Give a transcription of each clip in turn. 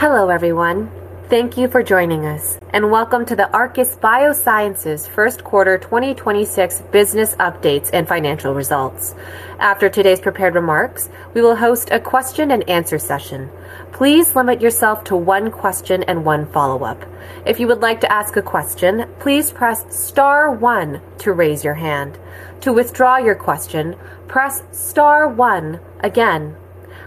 Hello, everyone. Thank you for joining us, and welcome to the Arcus Biosciences First Quarter 2026 Business Updates and Financial Results. After today's prepared remarks, we will host a question and answer session. Please limit yourself to one question and one follow-up. If you would like to ask a question, please press star one to raise your hand. To withdraw your question, press star one again.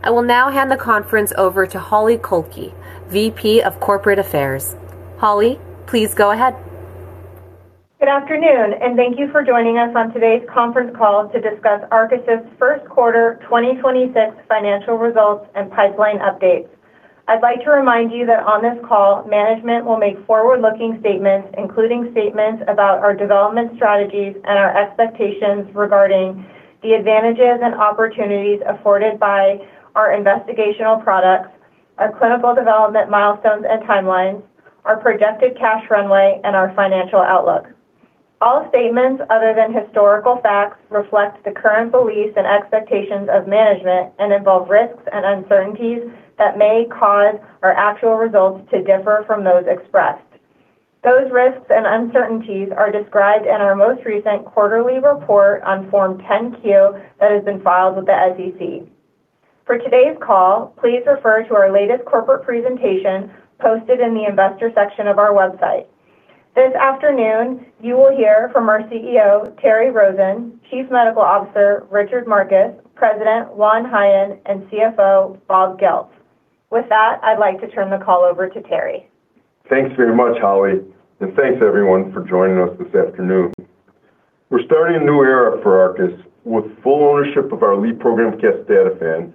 I will now hand the conference over to Holli Kolkey, VP of Corporate Affairs. Holli, please go ahead. Good afternoon, and thank you for joining us on today's conference call to discuss Arcus's First Quarter 2026 Financial Results and Pipeline Updates. I'd like to remind you that on this call, management will make forward-looking statements, including statements about our development strategies and our expectations regarding the advantages and opportunities afforded by our investigational products, our clinical development milestones and timelines, our projected cash runway, and our financial outlook. All statements other than historical facts reflect the current beliefs and expectations of management and involve risks and uncertainties that may cause our actual results to differ from those expressed. Those risks and uncertainties are described in our most recent quarterly report on Form 10-Q that has been filed with the SEC. For today's call, please refer to our latest corporate presentation posted in the investor section of our website. This afternoon, you will hear from our CEO, Terry Rosen, Chief Medical Officer, Richard Markus, President, Juan Jaen, and CFO, Bob Goeltz. With that, I'd like to turn the call over to Terry. Thanks very much, Holli. Thanks everyone for joining us this afternoon. We're starting a new era for Arcus with full ownership of our lead program casdatifan,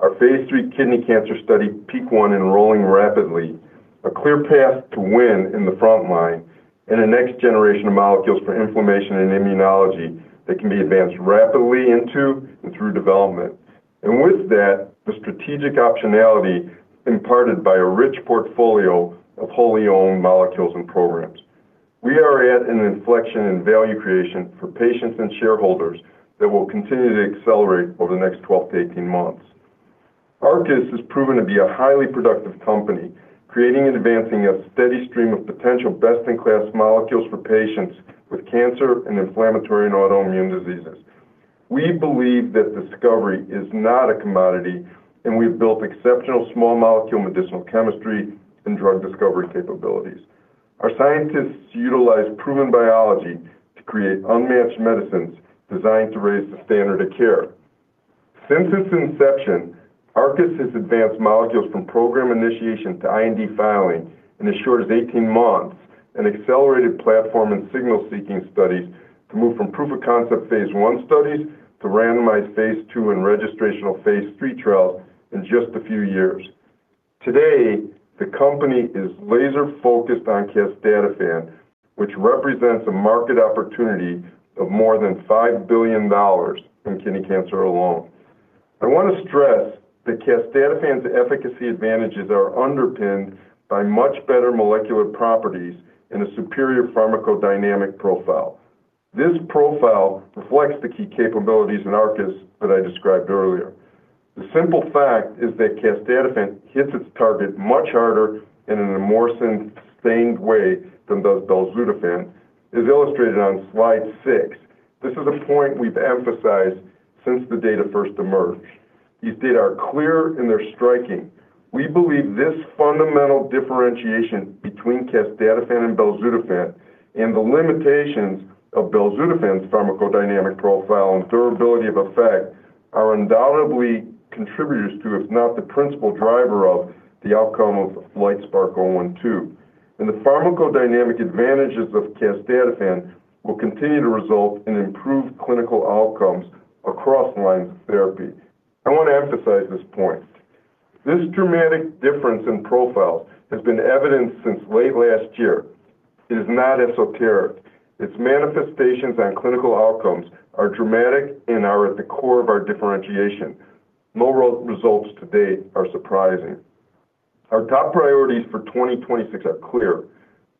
our Phase III kidney cancer study PEAK-1 enrolling rapidly, a clear path to win in the front line, and a next generation of molecules for inflammation and immunology that can be advanced rapidly into and through development. With that, the strategic optionality imparted by a rich portfolio of wholly owned molecules and programs. We are at an inflection in value creation for patients and shareholders that will continue to accelerate over the next 12 to 18 months. Arcus has proven to be a highly productive company, creating and advancing a steady stream of potential best-in-class molecules for patients with cancer and inflammatory and autoimmune diseases. We believe that discovery is not a commodity, and we've built exceptional small molecule medicinal chemistry and drug discovery capabilities. Our scientists utilize proven biology to create unmatched medicines designed to raise the standard of care. Since its inception, Arcus has advanced molecules from program initiation to IND filing in as short as 18 months and accelerated platform and signal-seeking studies to move from proof of concept Phase I studies to randomized Phase II and registrational Phase III trials in just a few years. Today, the company is laser-focused on casdatifan, which represents a market opportunity of more than $5 billion in kidney cancer alone. I want to stress that casdatifan's efficacy advantages are underpinned by much better molecular properties and a superior pharmacodynamic profile. This profile reflects the key capabilities in Arcus that I described earlier. The simple fact is that casdatifan hits its target much harder and in a more sustained way than does belzutifan, as illustrated on slide six. This is a point we've emphasized since the data first emerged. These data are clear, and they're striking. We believe this fundamental differentiation between casdatifan and belzutifan and the limitations of belzutifan's pharmacodynamic profile and durability of effect are undoubtedly contributors to, if not the principal driver of, the outcome of LITESPARK-012. The pharmacodynamic advantages of casdatifan will continue to result in improved clinical outcomes across lines of therapy. I want to emphasize this point. This dramatic difference in profiles has been evident since late last year. It is not esoteric. Its manifestations on clinical outcomes are dramatic and are at the core of our differentiation. No results to date are surprising. Our top priorities for 2026 are clear.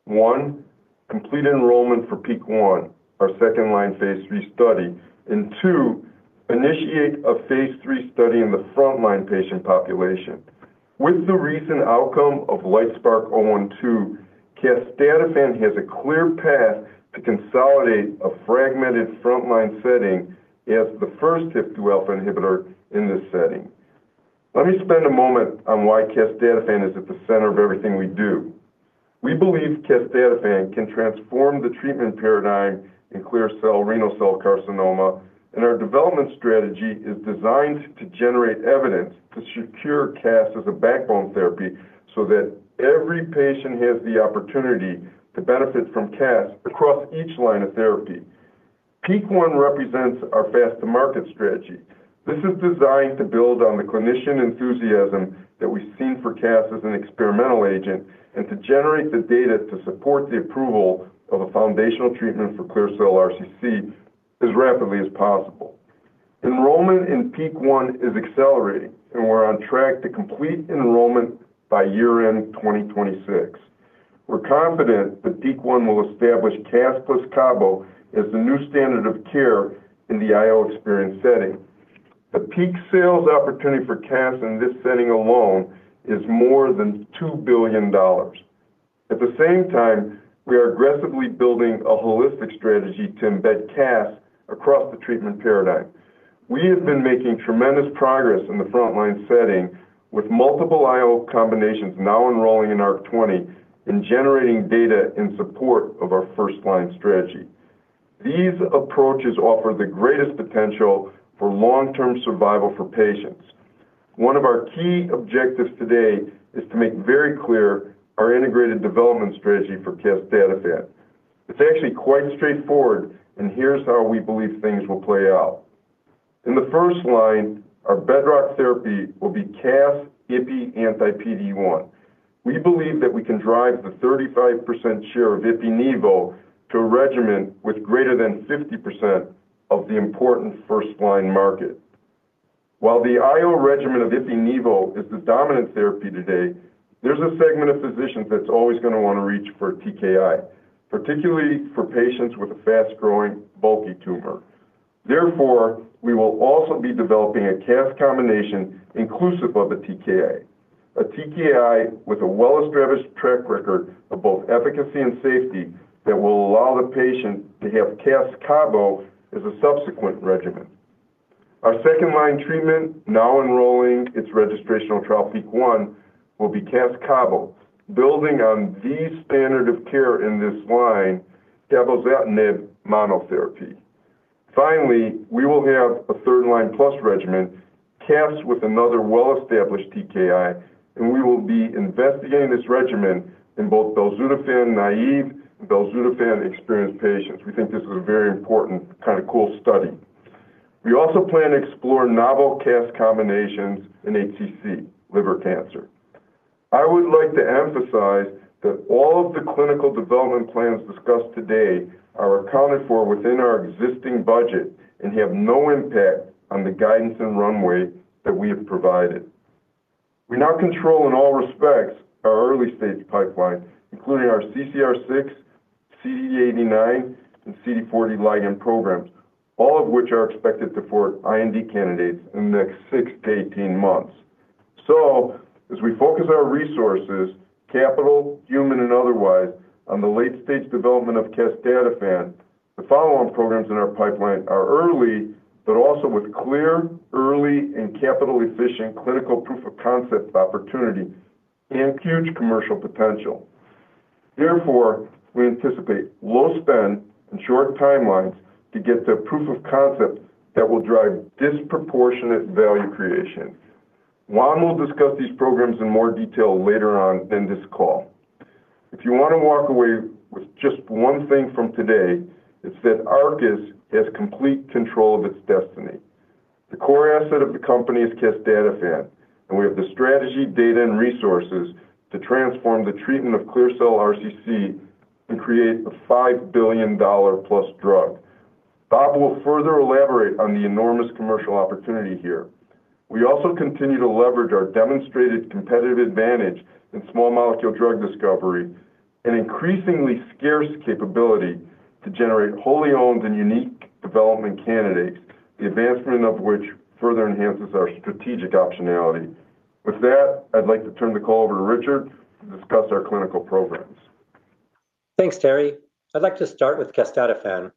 One, complete enrollment for PEAK-1, our second-line Phase III study. Two, initiate a Phase III study in the front-line patient population. With the recent outcome of LITESPARK-012, casdatifan has a clear path to consolidate a fragmented front-line setting as the first HIF-2 alpha inhibitor in this setting. Let me spend a moment on why casdatifan is at the center of everything we do. We believe casdatifan can transform the treatment paradigm in clear cell renal cell carcinoma, and our development strategy is designed to generate evidence to secure CAS as a backbone therapy so that every patient has the opportunity to benefit from CAS across each line of therapy. PEAK-1 represents our fast-to-market strategy. This is designed to build on the clinician enthusiasm that we've seen for CAS as an experimental agent and to generate the data to support the approval of a foundational treatment for clear cell RCC as rapidly as possible. Enrollment in PEAK-1 is accelerating, and we're on track to complete enrollment by year-end 2026. We're confident that PEAK-1 will establish CAS + cabo as the new standard of care in the IO experience setting. The peak sales opportunity for CAS in this setting alone is more than $2 billion. At the same time, we are aggressively building a holistic strategy to embed CAS across the treatment paradigm. We have been making tremendous progress in the frontline setting with multiple IO combinations now enrolling in ARC-20 and generating data in support of our first-line strategy. These approaches offer the greatest potential for long-term survival for patients. One of our key objectives today is to make very clear our integrated development strategy for casdatifan. It's actually quite straightforward, and here's how we believe things will play out. In the first line, our bedrock therapy will be CAS Ipi anti-PD-1. We believe that we can drive the 35% share of Ipi Nivo to a regimen with greater than 50% of the important first-line market. While the IO regimen of Ipi Nivo is the dominant therapy today, there's a segment of physicians that's always going to want to reach for TKI, particularly for patients with a fast-growing, bulky tumor. Therefore, we will also be developing a CAS combination inclusive of a TKI. A TKI with a well-established track record of both efficacy and safety that will allow the patient to have CAS cabo as a subsequent regimen. Our second-line treatment, now enrolling its registrational trial week 1, will be CAS cabo, building on the standard of care in this line, cabozantinib monotherapy. We will have a third-line plus regimen, CAS with another well-established TKI, and we will be investigating this regimen in both belzutifan-naive and belzutifan-experienced patients. We think this is a very important, kind of cool study. We also plan to explore novel CAS combinations in HCC, liver cancer. I would like to emphasize that all of the clinical development plans discussed today are accounted for within our existing budget and have no impact on the guidance and runway that we have provided. We now control in all respects our early-stage pipeline, including our CCR6, CD89, and CD40 ligand programs, all of which are expected to port IND candidates in the next six-18 months. As we focus our resources, capital, human, and otherwise, on the late-stage development of casdatifan, the follow-on programs in our pipeline are early, but also with clear, early, and capital-efficient clinical proof-of-concept opportunities and huge commercial potential. Therefore, we anticipate low spend and short timelines to get the proof of concept that will drive disproportionate value creation. Juan will discuss these programs in more detail later on in this call. If you want to walk away with just one thing from today, it's that Arcus has complete control of its destiny. The core asset of the company is casdatifan, and we have the strategy, data, and resources to transform the treatment of clear cell RCC and create a $5 billion+ drug. Bob will further elaborate on the enormous commercial opportunity here. We also continue to leverage our demonstrated competitive advantage in small molecule drug discovery and increasingly scarce capability to generate wholly owned and unique development candidates, the advancement of which further enhances our strategic optionality. With that, I'd like to turn the call over to Richard to discuss our clinical programs. Thanks, Terry. I'd like to start with casdatifan.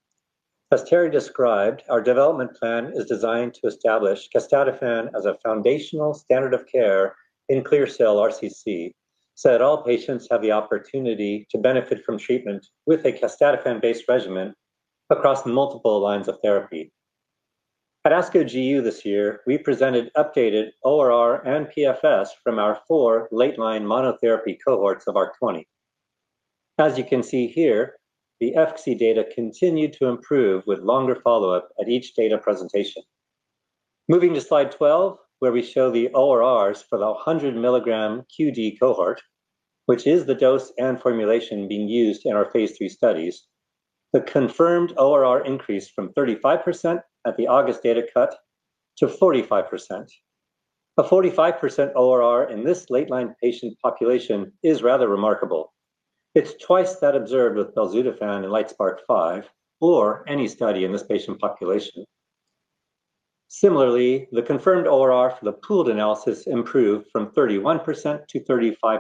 As Terry described, our development plan is designed to establish casdatifan as a foundational standard of care in clear cell RCC so that all patients have the opportunity to benefit from treatment with a casdatifan-based regimen across multiple lines of therapy. At ASCO GU this year, we presented updated ORR and PFS from our four late-line monotherapy cohorts of ARC-20. As you can see here, the FC data continued to improve with longer follow-up at each data presentation. Moving to slide 12, where we show the ORRs for the 100-mg QD cohort, which is the dose and formulation being used in our Phase III studies, the confirmed ORR increased from 35% at the August data cut to 45%. A 45% ORR in this late-line patient population is rather remarkable. It's twice that observed with belzutifan in LITESPARK-005 or any study in this patient population. Similarly, the confirmed ORR for the pooled analysis improved from 31% to 35%,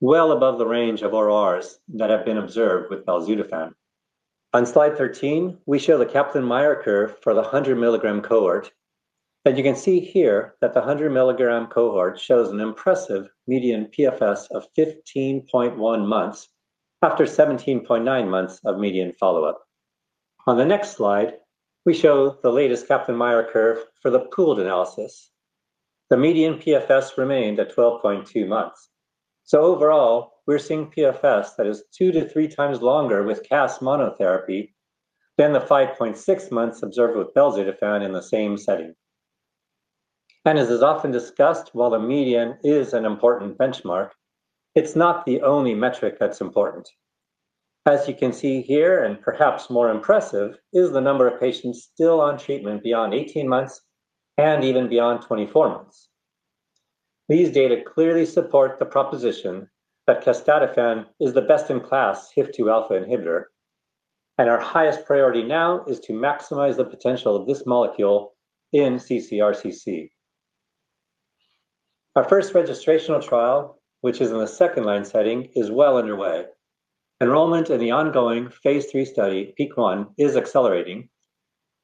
well above the range of ORRs that have been observed with belzutifan. On slide 13, we show the Kaplan-Meier curve for the 100-mg cohort, you can see here that the 100-mg cohort shows an impressive median PFS of 15.1 months after 17.9 months of median follow-up. On the next slide, we show the latest Kaplan-Meier curve for the pooled analysis. The median PFS remained at 12.2 months. Overall, we're seeing PFS that is 2x to 3x longer with casdatifan monotherapy than the 5.6 months observed with belzutifan in the same setting. As is often discussed, while the median is an important benchmark, it's not the only metric that's important. As you can see here, and perhaps more impressive, is the number of patients still on treatment beyond 18 months and even beyond 24 months. These data clearly support the proposition that casdatifan is the best-in-class HIF-2 alpha inhibitor, and our highest priority now is to maximize the potential of this molecule in ccRCC. Our first registrational trial, which is in the second-line setting, is well underway. Enrollment in the ongoing Phase III study, PEAK-1, is accelerating,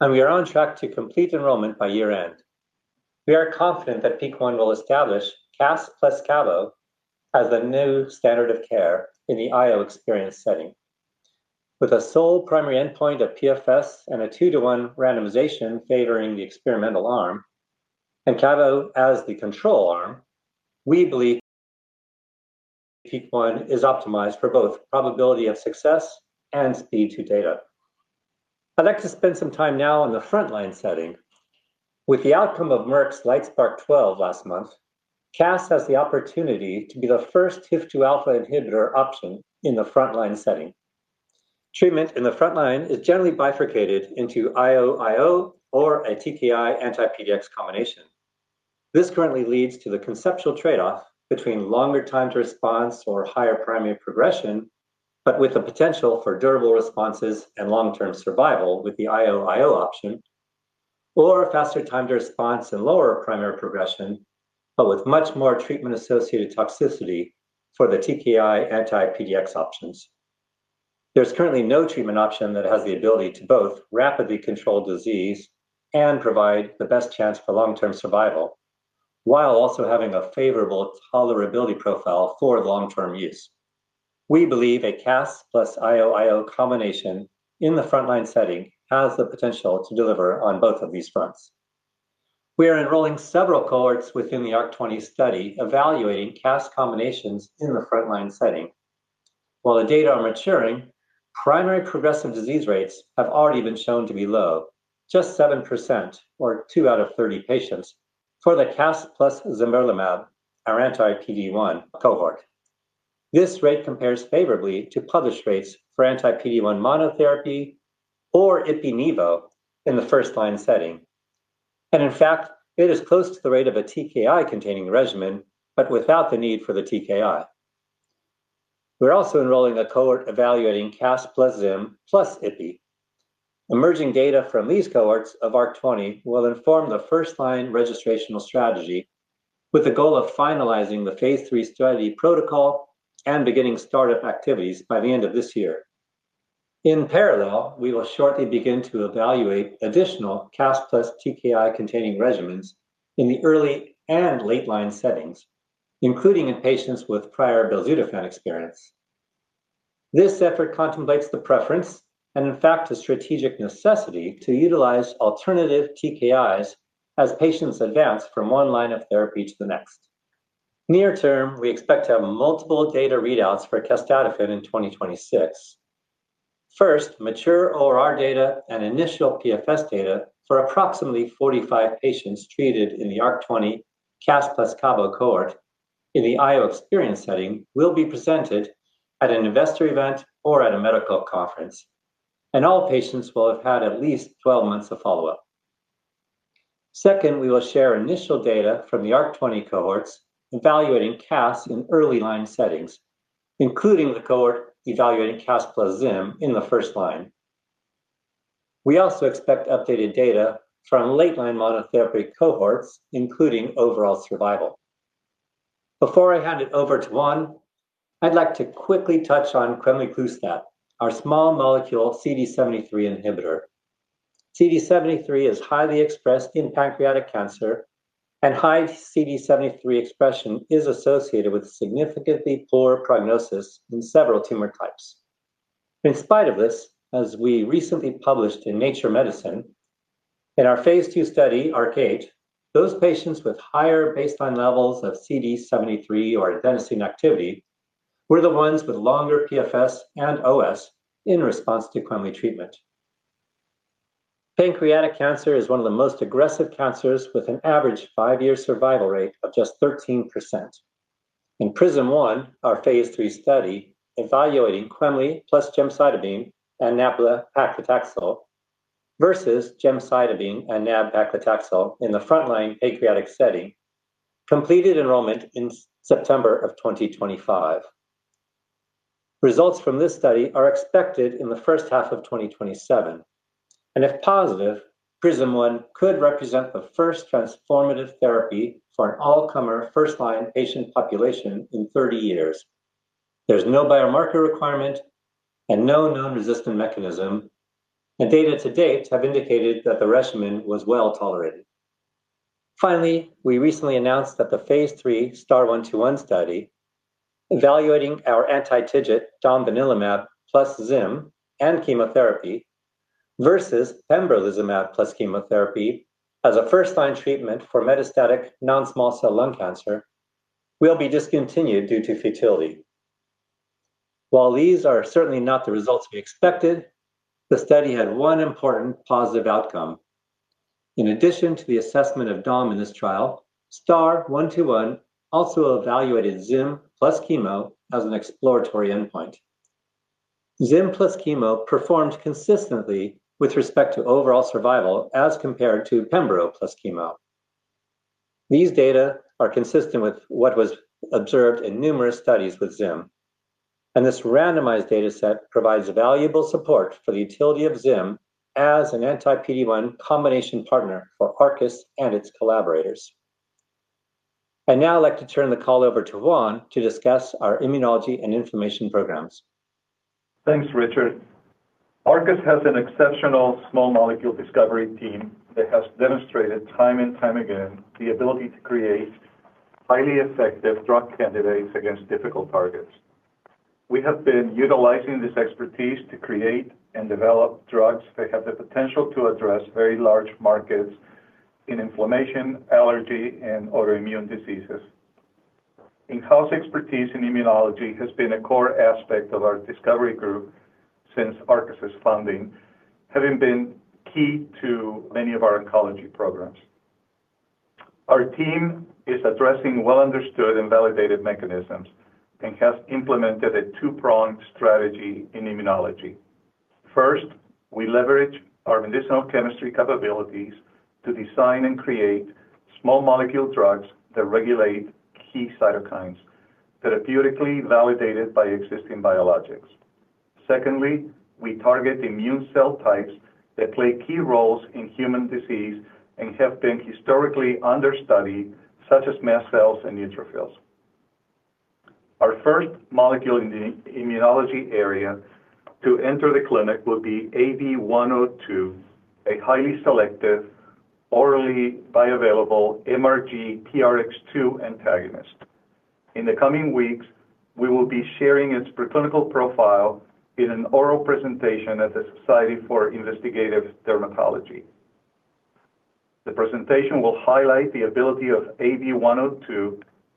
and we are on track to complete enrollment by year-end. We are confident that PEAK-1 will establish CAS + cabo as the new standard of care in the IO experience setting. With a sole primary endpoint of PFS and a two-to-one randomization favoring the experimental arm and cabo as the control arm, we believe PEAK-1 is optimized for both probability of success and speed to data. I'd like to spend some time now on the front-line setting. With the outcome of Merck's LITESPARK-012 last month, CAS has the opportunity to be the first HIF-2 alpha inhibitor option in the front-line setting. Treatment in the front line is generally bifurcated into IO-IO or a TKI anti-PD-1 combination. This currently leads to the conceptual trade-off between longer time to response or higher primary progression, but with the potential for durable responses and long-term survival with the IO-IO option, or a faster time to response and lower primary progression, but with much more treatment-associated toxicity for the TKI anti-PD-1 options. There's currently no treatment option that has the ability to both rapidly control disease and provide the best chance for long-term survival, while also having a favorable tolerability profile for long-term use. We believe a CAS + IO-IO combination in the front-line setting has the potential to deliver on both of these fronts. We are enrolling several cohorts within the ARC-20 study evaluating CAS combinations in the front-line setting. The data are maturing, primary progressive disease rates have already been shown to be low, just 7% or two out of 30 patients for the CAS plus zimberelimab, our anti-PD-1 cohort. This rate compares favorably to published rates for anti-PD-1 monotherapy or ipi-nivo in the first-line setting. In fact, it is close to the rate of a TKI-containing regimen, but without the need for the TKI. We're also enrolling a cohort evaluating CAS + Zim + Ipi. Emerging data from these cohorts of ARC-20 will inform the first-line registrational strategy with the goal of finalizing the Phase III study protocol and beginning startup activities by the end of this year. In parallel, we will shortly begin to evaluate additional CAS + TKI-containing regimens in the early and late-line settings, including in patients with prior belzutifan experience. This effort contemplates the preference and, in fact, the strategic necessity to utilize alternative TKIs as patients advance from one line of therapy to the next. Near term, we expect to have multiple data readouts for casdatifan in 2026. First, mature ORR data and initial PFS data for approximately 45 patients treated in the ARC-20 CAS + cabo cohort in the IO experience setting will be presented at an investor event or at a medical conference, and all patients will have had at least 12 months of follow-up. Second, we will share initial data from the ARC-20 cohorts evaluating CAS in early-line settings, including the cohort evaluating CAS + Zim in the first line. We also expect updated data from late-line monotherapy cohorts, including overall survival. Before I hand it over to Juan, I'd like to quickly touch on Quemliclustat, our small molecule CD73 inhibitor. CD73 is highly expressed in pancreatic cancer, and high CD73 expression is associated with significantly poor prognosis in several tumor types. In spite of this, as we recently published in Nature Medicine, in our Phase II study, ARCADE, those patients with higher baseline levels of CD73 or adenosine activity were the ones with longer PFS and OS in response to Quemli treatment. Pancreatic cancer is one of the most aggressive cancers with an average five-year survival rate of just 13%. In PRISM-1, our Phase III study, evaluating Quemliclustat plus gemcitabine and nab-paclitaxel versus gemcitabine and nab-paclitaxel in the front-line pancreatic setting, completed enrollment in September of 2025. Results from this study are expected in the first half of 2027. If positive, PRISM-1 could represent the first transformative therapy for an all-comer first-line patient population in 30 years. There's no biomarker requirement and no known resistant mechanism. Data to date have indicated that the regimen was well-tolerated. Finally, we recently announced that the Phase III STAR-121 study evaluating our anti-TIGIT domvanalimab plus Zim and chemotherapy versus pembrolizumab plus chemotherapy as a first-line treatment for metastatic non-small cell lung cancer will be discontinued due to futility. While these are certainly not the results we expected, the study had one important positive outcome. In addition to the assessment of dom in this trial, STAR-121 also evaluated Zim + chemo as an exploratory endpoint. Zim + chemo performed consistently with respect to overall survival as compared to pembro + chemo. These data are consistent with what was observed in numerous studies with Zim, and this randomized data set provides valuable support for the utility of Zim as an anti-PD-1 combination partner for Arcus and its collaborators. I'd now like to turn the call over to Juan to discuss our immunology and inflammation programs. Thanks, Richard. Arcus has an exceptional small molecule discovery team that has demonstrated time and time again the ability to create highly effective drug candidates against difficult targets. We have been utilizing this expertise to create and develop drugs that have the potential to address very large markets in inflammation, allergy, and autoimmune diseases. In-house expertise in immunology has been a core aspect of our discovery group since Arcus's funding, having been key to many of our oncology programs. Our team is addressing well-understood and validated mechanisms and has implemented a two-pronged strategy in immunology. First, we leverage our medicinal chemistry capabilities to design and create small molecule drugs that regulate key cytokines therapeutically validated by existing biologics. Secondly, we target immune cell types that play key roles in human disease and have been historically understudy, such as mast cells and neutrophils. Our first molecule in the immunology area to enter the clinic will be AB102, a highly selective orally bioavailable MRGPRX2 antagonist. In the coming weeks, we will be sharing its preclinical profile in an oral presentation at the Society for Investigative Dermatology. The presentation will highlight the ability of AB102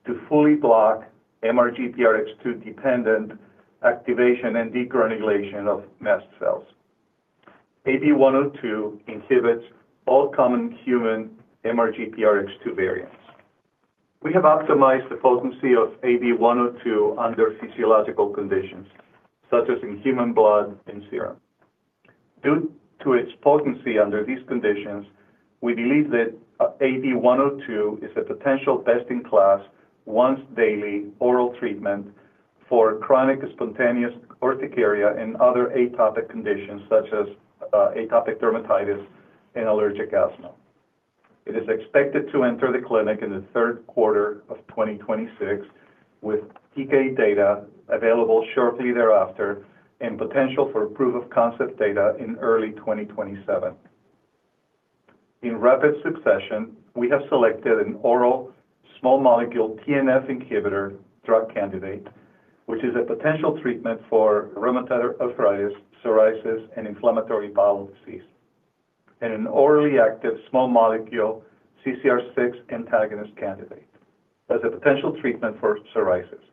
to fully block MRGPRX2-dependent activation and degranulation of mast cells. AB102 inhibits all common human MRGPRX2 variants. We have optimized the potency of AB102 under physiological conditions, such as in human blood and serum. Due to its potency under these conditions, we believe that AB102 is a potential best-in-class once-daily oral treatment for chronic spontaneous urticaria and other atopic conditions such as atopic dermatitis and allergic asthma. It is expected to enter the clinic in the third quarter of 2026, with PK data available shortly thereafter and potential for proof of concept data in early 2027. In rapid succession, we have selected an oral small-molecule TNF inhibitor drug candidate, which is a potential treatment for rheumatoid arthritis, psoriasis, and inflammatory bowel disease, and an orally active small-molecule CCR6 antagonist candidate as a potential treatment for psoriasis.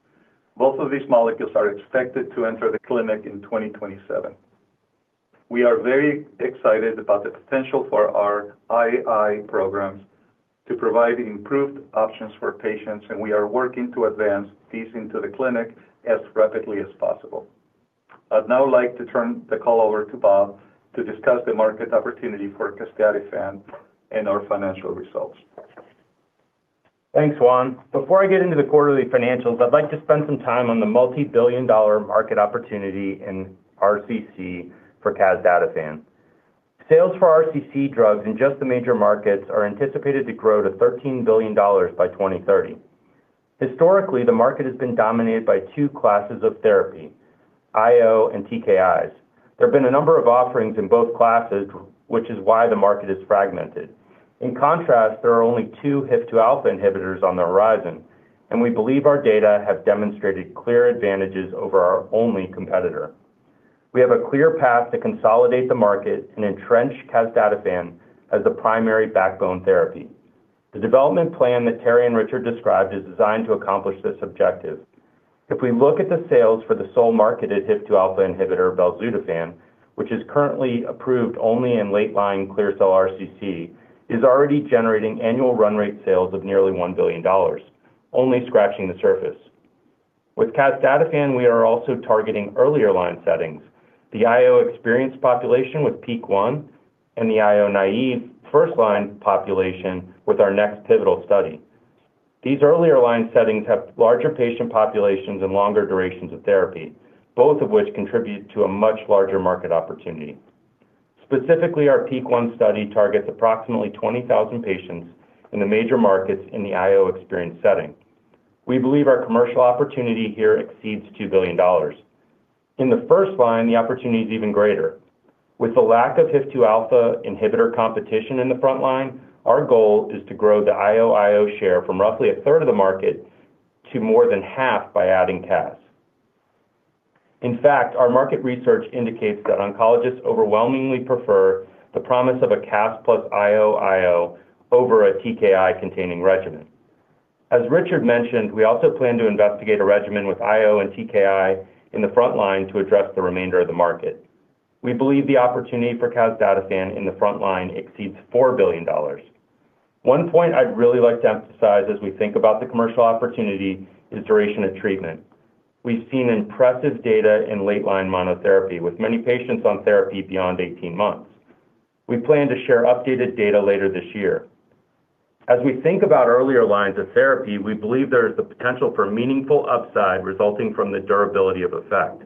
Both of these molecules are expected to enter the clinic in 2027. We are very excited about the potential for our I&I programs to provide improved options for patients, and we are working to advance these into the clinic as rapidly as possible. I'd now like to turn the call over to Bob to discuss the market opportunity for casdatifan and our financial results. Thanks, Juan. Before I get into the quarterly financials, I'd like to spend some time on the multi-billion dollar market opportunity in RCC for casdatifan. Sales for RCC drugs in just the major markets are anticipated to grow to $13 billion by 2030. Historically, the market has been dominated by two classes of therapy, IO and TKIs. There have been a number of offerings in both classes, which is why the market is fragmented. In contrast, there are only two HIF-2 alpha inhibitors on the horizon, and we believe our data have demonstrated clear advantages over our only competitor. We have a clear path to consolidate the market and entrench casdatifan as the primary backbone therapy. The development plan that Terry and Richard described is designed to accomplish this objective. If we look at the sales for the sole-marketed HIF-2 alpha inhibitor, belzutifan, which is currently approved only in late-line clear cell RCC, is already generating annual run rate sales of nearly $1 billion, only scratching the surface. With casdatifan, we are also targeting earlier line settings, the IO experience population with PEAK-1 and the IO-naive first line population with our next pivotal study. These earlier line settings have larger patient populations and longer durations of therapy, both of which contribute to a much larger market opportunity. Specifically, our PEAK-1 study targets approximately 20,000 patients in the major markets in the IO experience setting. We believe our commercial opportunity here exceeds $2 billion. In the first line, the opportunity is even greater. With the lack of HIF-2 alpha inhibitor competition in the front line, our goal is to grow the IO-IO share from roughly a third of the market to more than half by adding CAS. Our market research indicates that oncologists overwhelmingly prefer the promise of a CAS + IO-IO over a TKI-containing regimen. As Richard mentioned, we also plan to investigate a regimen with IO and TKI in the front line to address the remainder of the market. We believe the opportunity for casdatifan in the front line exceeds $4 billion. One point I'd really like to emphasize as we think about the commercial opportunity is duration of treatment. We've seen impressive data in late line monotherapy with many patients on therapy beyond 18 months. We plan to share updated data later this year. As we think about earlier lines of therapy, we believe there is the potential for meaningful upside resulting from the durability of effect.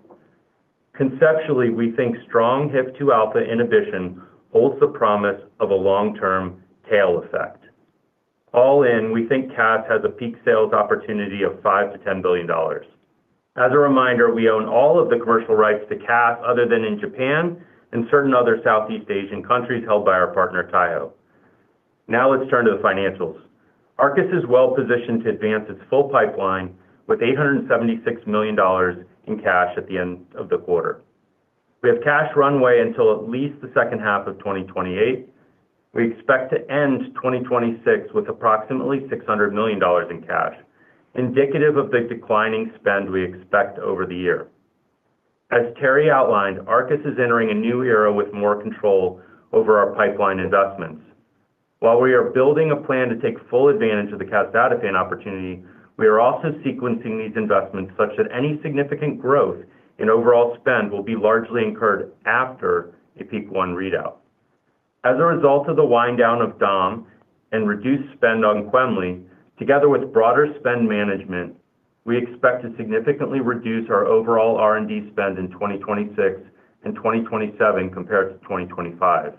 Conceptually, we think strong HIF-2 alpha inhibition holds the promise of a long-term tail effect. All in, we think CAS has a peak sales opportunity of $5 billion-$10 billion. As a reminder, we own all of the commercial rights to CAS other than in Japan and certain other Southeast Asian countries held by our partner Taiho. Let's turn to the financials. Arcus is well-positioned to advance its full pipeline with $876 million in cash at the end of the quarter. We have cash runway until at least the second half of 2028. We expect to end 2026 with approximately $600 million in cash, indicative of the declining spend we expect over the year. As Terry outlined, Arcus is entering a new era with more control over our pipeline investments. While we are building a plan to take full advantage of the casdatifan opportunity, we are also sequencing these investments such that any significant growth in overall spend will be largely incurred after a PEAK-1 readout. As a result of the wind down of DOM and reduced spend on Quemly, together with broader spend management, we expect to significantly reduce our overall R&D spend in 2026 and 2027 compared to 2025.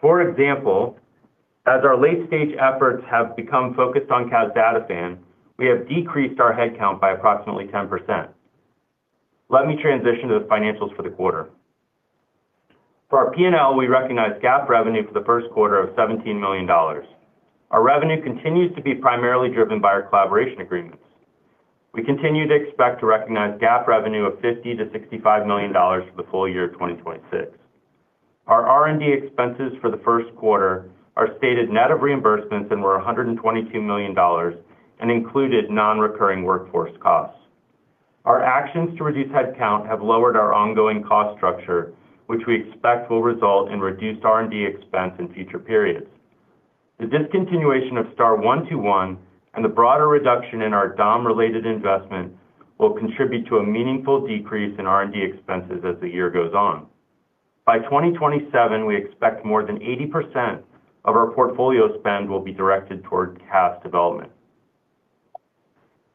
For example, as our late-stage efforts have become focused on casdatifan, we have decreased our head count by approximately 10%. Let me transition to the financials for the quarter. For our P&L, we recognize GAAP revenue for the first quarter of $17 million. Our revenue continues to be primarily driven by our collaboration agreements. We continue to expect to recognize GAAP revenue of $50 million-$65 million for the full year of 2026. Our R&D expenses for the first quarter are stated net of reimbursements and were $122 million and included non-recurring workforce costs. Our actions to reduce head count have lowered our ongoing cost structure, which we expect will result in reduced R&D expense in future periods. The discontinuation of STAR-121 and the broader reduction in our DOM-related investment will contribute to a meaningful decrease in R&D expenses as the year goes on. By 2027, we expect more than 80% of our portfolio spend will be directed toward CAS development.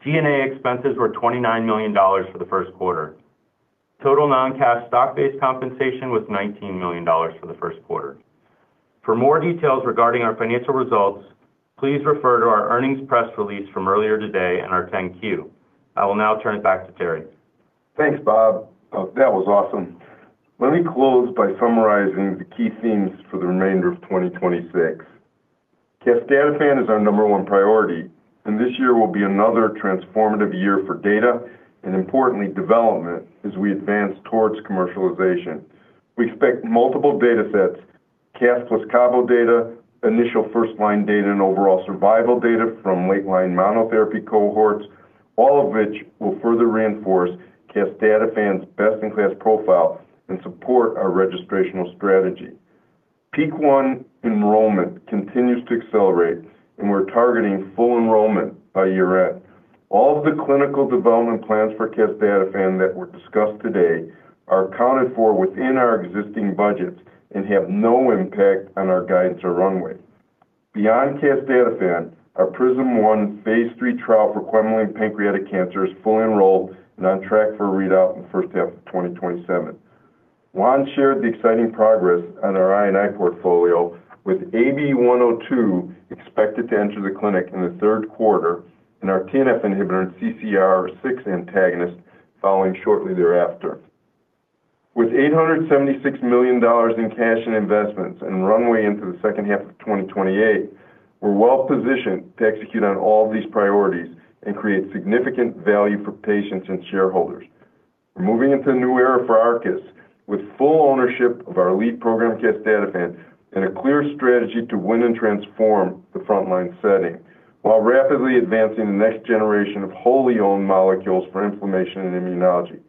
G&A expenses were $29 million for the first quarter. Total non-cash stock-based compensation was $19 million for the first quarter. For more details regarding our financial results, please refer to our earnings press release from earlier today and our 10-Q. I will now turn it back to Terry. Thanks, Bob. That was awesome. Let me close by summarizing the key themes for the remainder of 2026. casdatifan is our number one priority, and this year will be another transformative year for data and importantly, development as we advance towards commercialization. We expect multiple datasets, CAS + cabo data, initial first line data, and overall survival data from late line monotherapy cohorts, all of which will further reinforce casdatifan's best-in-class profile and support our registrational strategy. PEAK-1 enrollment continues to accelerate, and we're targeting full enrollment by year-end. All of the clinical development plans for casdatifan that were discussed today are accounted for within our existing budgets and have no impact on our guidance or runway. Beyond casdatifan, our PRISM-1 Phase III trial for Quemliclustat and pancreatic cancer is fully enrolled and on track for a readout in the first half of 2027. Juan shared the exciting progress on our I&I portfolio with AB102 expected to enter the clinic in the third quarter and our TNF inhibitor and CCR6 antagonist following shortly thereafter. With $876 million in cash and investments and runway into the second half of 2028, we're well-positioned to execute on all these priorities and create significant value for patients and shareholders. We're moving into a new era for Arcus with full ownership of our lead program casdatifan and a clear strategy to win and transform the frontline setting while rapidly advancing the next generation of wholly owned molecules for inflammation and immunology.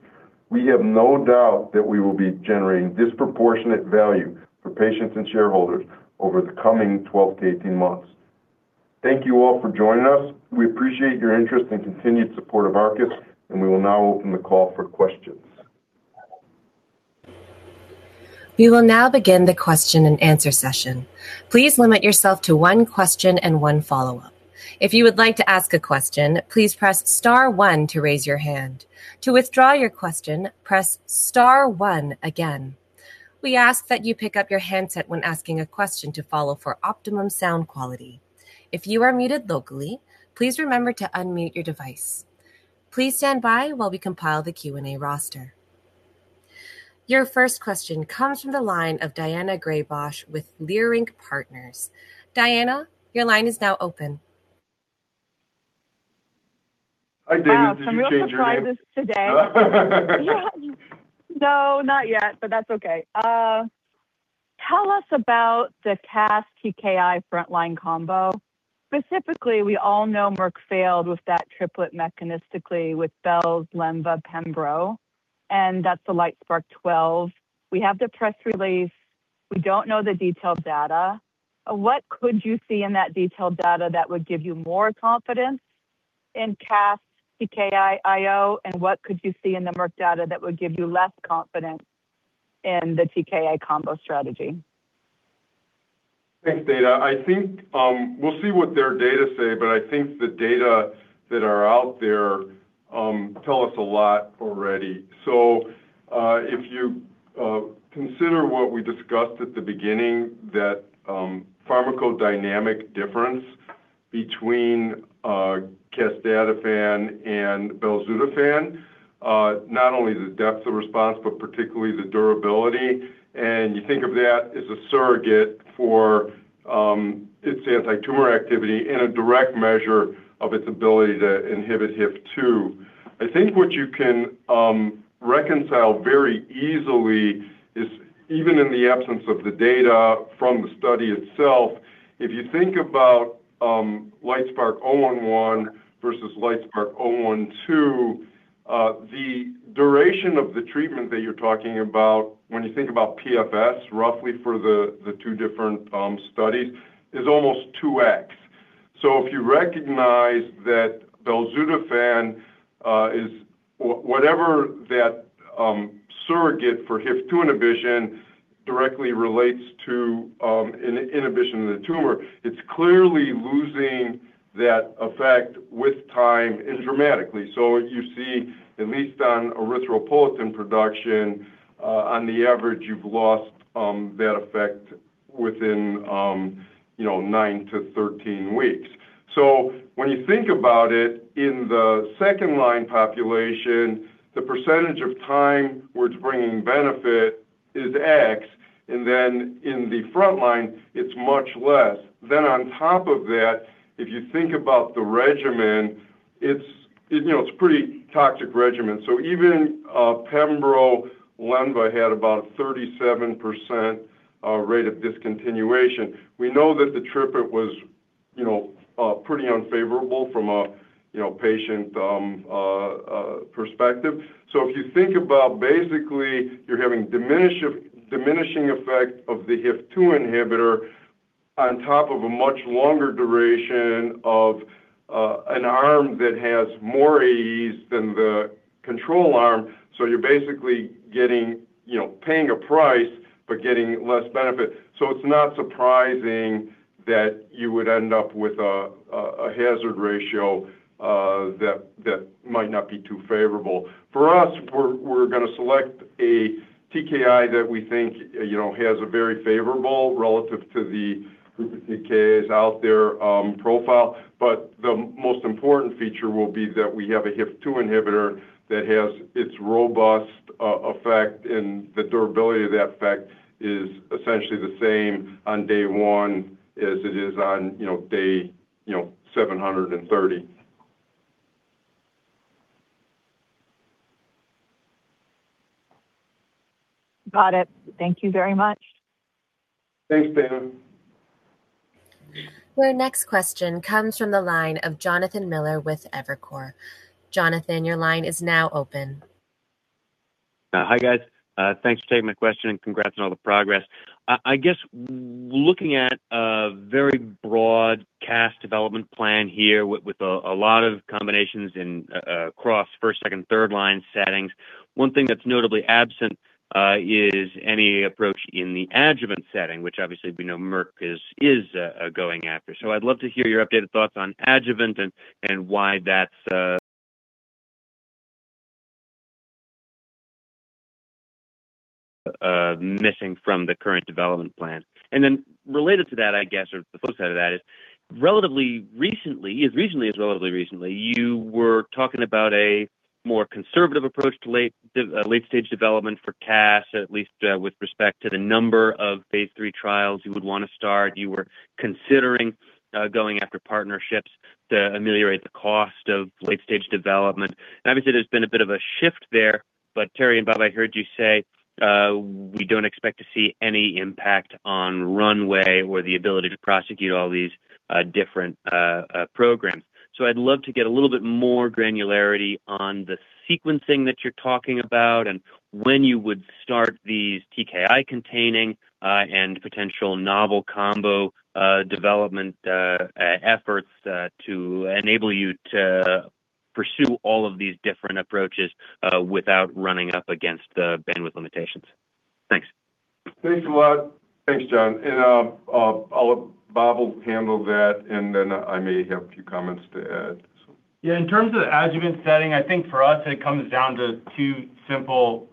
We have no doubt that we will be generating disproportionate value for patients and shareholders over the coming 12 to 18 months. Thank you all for joining us. We appreciate your interest and continued support of Arcus. We will now open the call for questions. We will now begin the question and answer session. Your first question comes from the line of Daina Graybosch with Leerink Partners. Daina, your line is now open. Hi, Daina. Did you change your name? Wow. Some real surprises today. Yeah. No, not yet, but that's okay. Tell us about the CAS TKI frontline combo Specifically, we all know Merck failed with that triplet mechanistically with belzutifan, Lenva, Pembro. That's the LITESPARK-012. We have the press release. We don't know the detailed data. What could you see in that detailed data that would give you more confidence in casdatifan TKI IO? What could you see in the Merck data that would give you less confidence in the TKI combo strategy? Thanks, Daina. I think we'll see what their data say, I think the data that are out there tell us a lot already. If you consider what we discussed at the beginning, that pharmacodynamic difference between casdatifan and belzutifan, not only the depth of response, particularly the durability. You think of that as a surrogate for its antitumor activity and a direct measure of its ability to inhibit HIF-2. I think what you can reconcile very easily is even in the absence of the data from the study itself, if you think about LITESPARK-011 versus LITESPARK-012, the duration of the treatment that you're talking about when you think about PFS, roughly for the two different studies, is almost 2X. If you recognize that belzutifan is or whatever that surrogate for HIF-2 inhibition directly relates to inhibition of the tumor, it's clearly losing that effect with time and dramatically. You see, at least on erythropoietin production, on the average, you've lost that effect within nine to 13 weeks. When you think about it, in the second-line population, the percentage of time where it's bringing benefit is X, and then in the front line, it's much less. On top of that, if you think about the regimen, it's pretty toxic regimen. Even pembro, lenva had about 37% rate of discontinuation. We know that the triplet was pretty unfavorable from a patient perspective. If you think about you're having a diminishing effect of the HIF-2 inhibitor on top of a much longer duration of an arm that has more AEs than the control arm. You're getting, you know, paying a price, but getting less benefit. It's not surprising that you would end up with a hazard ratio that might not be too favorable. For us, we're gonna select a TKI that we think, you know, has a very favorable relative to the group of TKIs out there, profile. The most important feature will be that we have a HIF-2 inhibitor that has its robust effect and the durability of that effect is essentially the same on day one as it is on, you know, day, you know, 730. Got it. Thank you very much. Thanks, Daina. Our next question comes from the line of Jonathan Miller with Evercore. Jonathan, your line is now open. Hi, guys. Thanks for taking my question. Congrats on all the progress. I guess looking at a very broad casdatifan development plan here with a lot of combinations in, across first, second, third line settings, one thing that's notably absent, is any approach in the adjuvant setting, which obviously we know Merck is going after. I'd love to hear your updated thoughts on adjuvant and why that's missing from the current development plan. Related to that, I guess, or the flip side of that is relatively recently, as recently as relatively recently, you were talking about a more conservative approach to late-stage development for CAS, at least, with respect to the number of Phase III trials you would wanna start. You were considering going after partnerships to ameliorate the cost of late-stage development. Obviously, there's been a bit of a shift there. Terry and Bob, I heard you say, we don't expect to see any impact on runway or the ability to prosecute all these different programs. I'd love to get a little bit more granularity on the sequencing that you're talking about and when you would start these TKI-containing, and potential novel combo, development efforts to enable you to pursue all of these different approaches without running up against the bandwidth limitations. Thanks. Thanks a lot. Thanks, Jon. I'll let Bob handle that, and then I may have a few comments to add. Yeah, in terms of the adjuvant setting, I think for us it comes down to two simple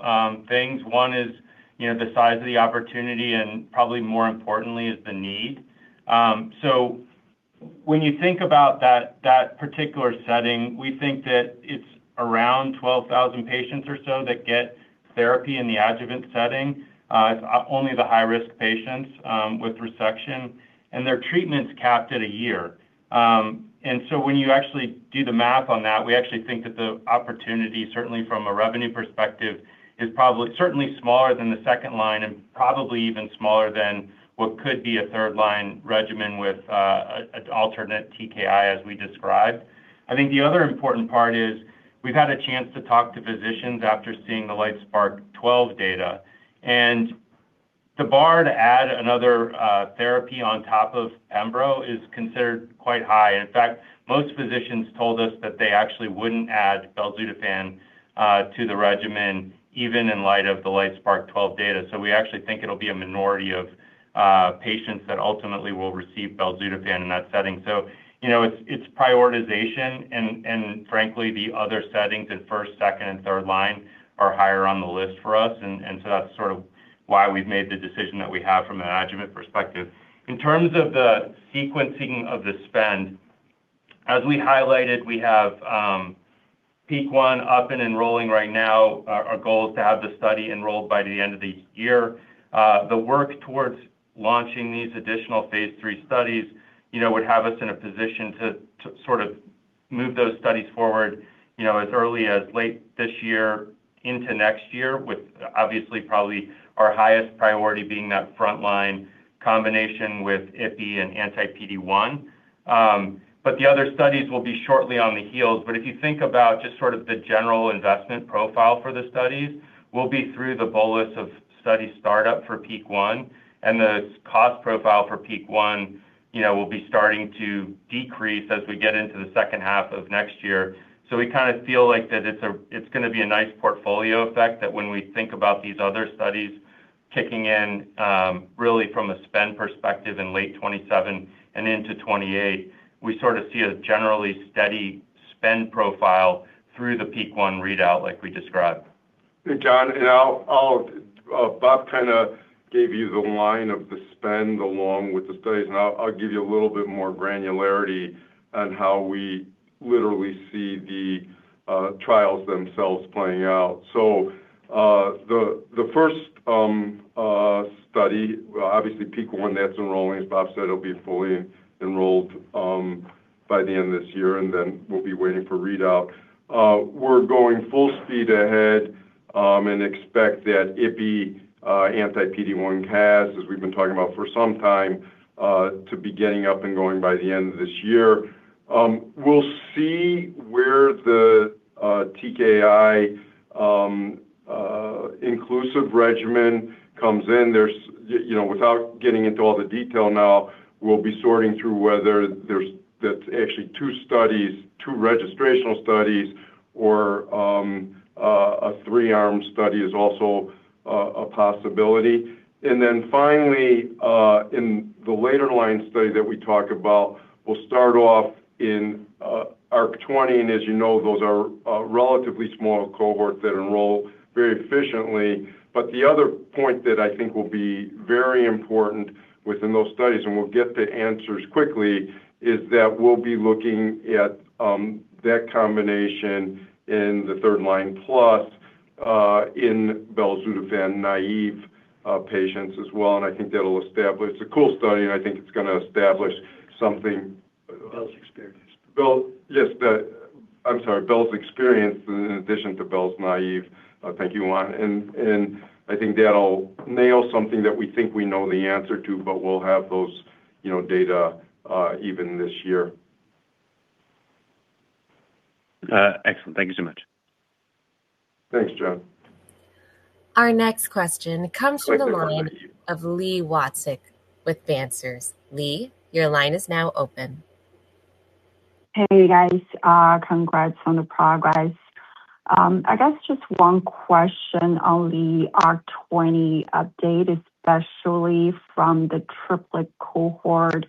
things. One is, you know, the size of the opportunity and probably more importantly is the need. When you think about that particular setting, we think that it's around 12,000 patients or so that get therapy in the adjuvant setting. It's only the high-risk patients with resection, and their treatment's capped at one year. When you actually do the math on that, we actually think that the opportunity, certainly from a revenue perspective, is probably certainly smaller than the second line and probably even smaller than what could be a third-line regimen with an alternate TKI as we described. I think the other important part is we've had a chance to talk to physicians after seeing the LITESPARK-012 data. The bar to add another therapy on top of pembro is considered quite high. In fact, most physicians told us that they actually wouldn't add belzutifan to the regimen even in light of the LITESPARK-012 data. We actually think it'll be a minority of patients that ultimately will receive belzutifan in that setting. You know, it's prioritization and frankly, the other settings in first, second, and third line are higher on the list for us. That's sort of why we've made the decision that we have from an adjuvant perspective. In terms of the sequencing of the spend, as we highlighted, we have PEAK-1 up and enrolling right now. Our goal is to have the study enrolled by the end of the year. The work towards launching these additional Phase III studies, you know, would have us in a position to sort of move those studies forward, you know, as early as late this year into next year, with obviously probably our highest priority being that frontline combination with Ipi and anti-PD-1. The other studies will be shortly on the heels. If you think about just sort of the general investment profile for the studies, we'll be through the bolus of study startup for PEAK-1, and the cost profile for PEAK-1, you know, will be starting to decrease as we get into the second half of next year. We kind of feel like that it's going to be a nice portfolio effect that when we think about these other studies kicking in, really from a spend perspective in late 2027 and into 2028, we sort of see a generally steady spend profile through the PEAK-1 readout like we described. Hey, Jon. Bob kinda gave you the line of the spend along with the studies. I'll give you a little bit more granularity on how we literally see the trials themselves playing out. The first study, well, obviously PEAK-1, that's enrolling. As Bob said, it'll be fully enrolled by the end of this year, and then we'll be waiting for readout. We're going full speed ahead and expect that Ipi, anti-PD-1, CAS, as we've been talking about for some time, to be getting up and going by the end of this year. We'll see where the TKI inclusive regimen comes in. There's, you know, without getting into all the detail now, we'll be sorting through whether that's actually two registrational studies or a three-arm study is also a possibility. Finally, in the later line study that we talk about, we'll start off in ARC-20. As you know, those are relatively small cohorts that enroll very efficiently. The other point that I think will be very important within those studies, and we'll get the answers quickly, is that we'll be looking at that combination in the third line plus in belzutifan naive patients as well. I think that'll establish It's a cool study, and I think it's gonna establish. bel's experienced. bel, yes, I'm sorry, bel's experienced in addition to bel's naive. Thank you, Juan. I think that'll nail something that we think we know the answer to, but we'll have those, you know, data even this year. Excellent. Thank you so much. Thanks, Jon. Our next question comes from the line of Li Watsek with Cantor. Li, your line is now open. Hey, guys. Congrats on the progress. I guess just one question on the ARC-20 update, especially from the triplet cohort.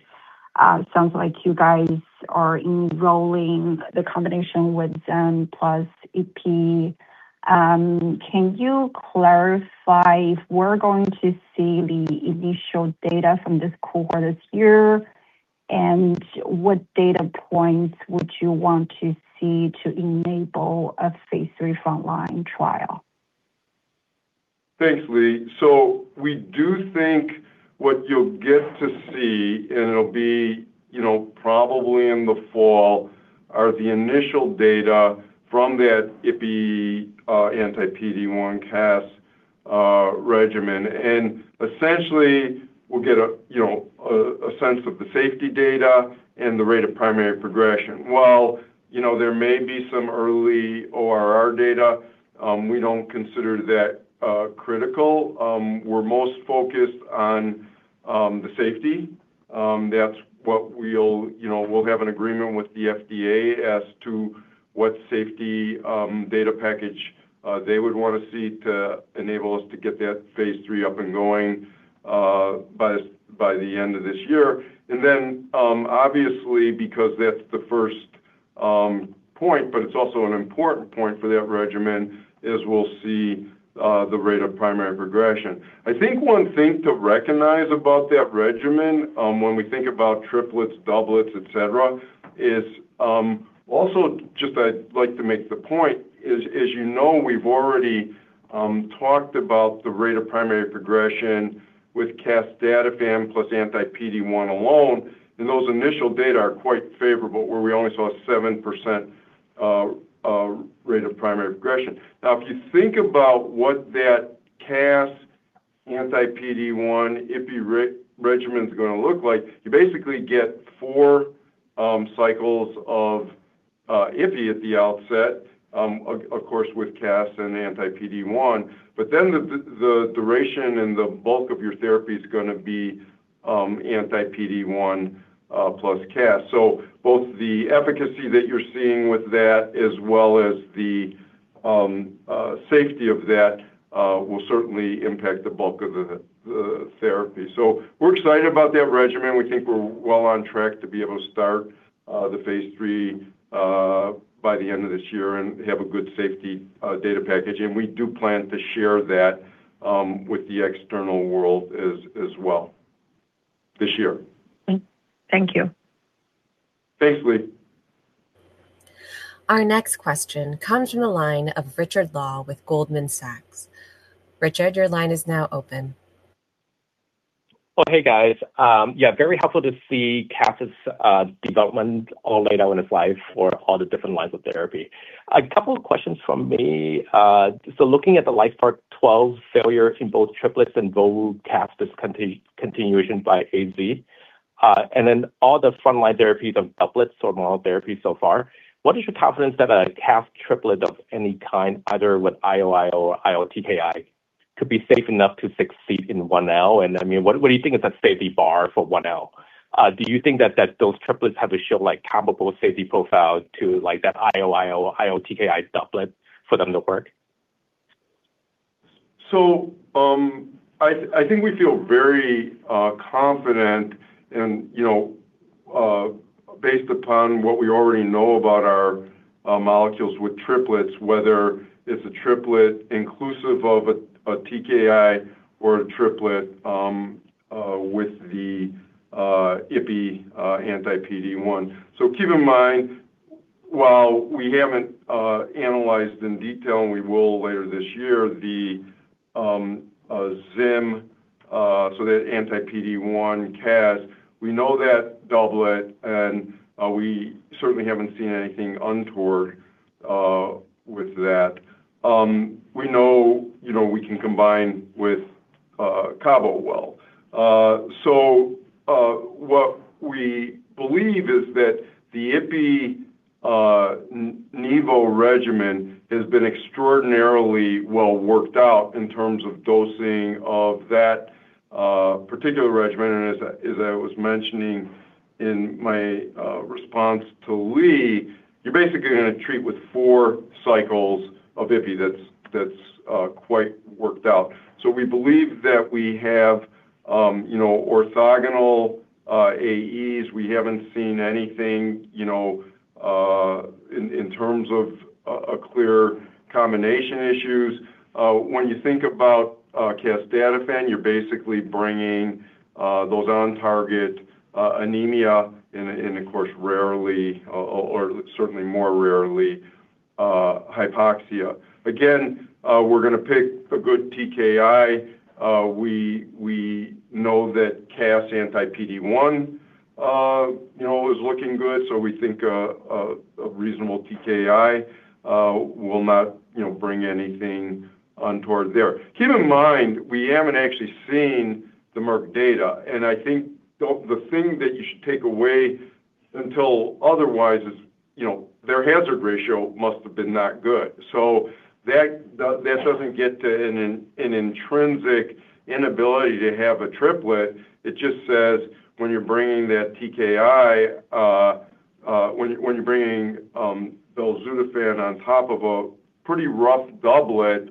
Sounds like you guys are enrolling the combination with Zim + Ipi. Can you clarify if we're going to see the initial data from this cohort this year, what data points would you want to see to enable a Phase III frontline trial? Thanks, Li. We do think what you'll get to see, and it'll be, you know, probably in the fall, are the initial data from that ipi, anti-PD-1 casdatifan regimen. Essentially, we'll get a, you know, a sense of the safety data and the rate of primary progression. While, you know, there may be some early ORR data, we don't consider that critical. We're most focused on the safety. That's what we'll, you know, we'll have an agreement with the FDA as to what safety data package they would want to see to enable us to get that Phase III up and going by the end of this year. Obviously, because that's the first point, but it's also an important point for that regimen, is we'll see the rate of primary progression. I think one thing to recognize about that regimen, when we think about triplets, doublets, et cetera, is also just I'd like to make the point is, as you know, we've already talked about the rate of primary progression with casdatifan + anti-PD-1 alone, and those initial data are quite favorable, where we only saw 7% rate of primary progression. If you think about what that CAS anti-PD-1 ipilimumab regimen is going to look like, you basically get four cycles of ipilimumab at the outset, of course, with CAS and anti-PD-1. The duration and the bulk of your therapy is going to be anti-PD-1 + CAS. Both the efficacy that you're seeing with that as well as the safety of that will certainly impact the bulk of the therapy. We're excited about that regimen. We think we're well on track to be able to start, the Phase III, by the end of this year and have a good safety, data package. We do plan to share that, with the external world as well this year. Thank you. Thanks, Li. Our next question comes from the line of Richard Law with Goldman Sachs. Richard, your line is now open. Hey guys. Yeah, very helpful to see CAF's development all laid out in its life for all the different lines of therapy. A couple of questions from me. Looking at the LITESPARK-012 failure in both triplets and VO CAF discontinued continuation by AZ, and then all the frontline therapies of doublets or monotherapy so far, what is your confidence that a CAF triplet of any kind, either with IO-IO or IOTKI, could be safe enough to succeed in 1L? I mean, what do you think is a safety bar for 1L? Do you think that those triplets have to show like comparable safety profile to like that IO-IO, IOTKI doublet for them to work? I think we feel very confident and, you know, based upon what we already know about our molecules with triplets, whether it's a triplet inclusive of a TKI or a triplet with the ipilimumab anti-PD-1. Keep in mind, while we haven't analyzed in detail, and we will later this year, the Zim, so that anti-PD-1 casdatifan, we know that doublet, and we certainly haven't seen anything untoward with that. We know, you know, we can combine with cabo well. What we believe is that the ipilimumab nivo regimen has been extraordinarily well worked out in terms of dosing of that particular regimen. As I was mentioning in my response to Li, you're basically gonna treat with four cycles of ipilimumab that's quite worked out. We believe that we have, you know, orthogonal AEs. We haven't seen anything, you know, in terms of a clear combination issues. When you think about casdatifan, you're basically bringing those on target anemia and of course, rarely or certainly more rarely, hypoxia. Again, we're gonna pick a good TKI. We know that CAS anti-PD-1, you know, is looking good, we think a reasonable TKI will not, you know, bring anything untoward there. Keep in mind, we haven't actually seen the Merck data, and I think the thing that you should take away until otherwise is, you know, their hazard ratio must have been not good. That doesn't get to an intrinsic inability to have a triplet. It just says when you're bringing that TKI, when you're bringing belzutifan on top of a pretty rough doublet,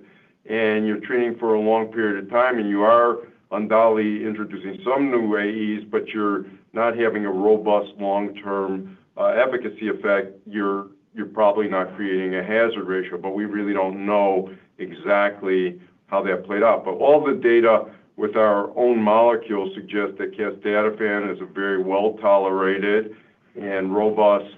and you're treating for a long period of time, and you are undoubtedly introducing some new AEs, but you're not having a robust long-term efficacy effect, you're probably not creating a hazard ratio. We really don't know exactly how that played out. All the data with our own molecule suggest that casdatifan is a very well-tolerated and robust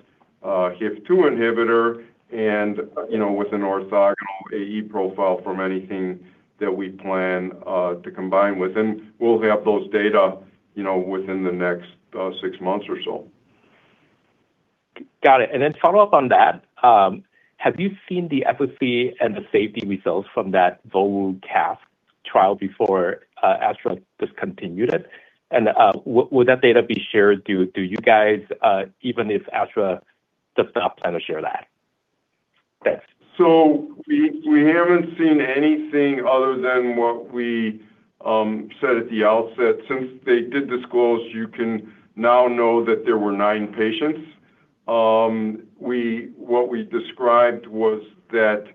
HIF-2 inhibitor, you know, with an orthogonal AE profile from anything that we plan to combine with. We'll have those data, you know, within the next six months or so. Got it. Then follow-up on that, have you seen the efficacy and the safety results from that VO CAF trial before Astra discontinued it? Would that data be shared to you guys even if Astra does not plan to share that? Thanks. We haven't seen anything other than what we said at the outset. Since they did disclose, you can now know that there were nine patients. What we described was that